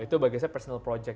itu bagi saya personal project